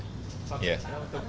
pak menteri pertanian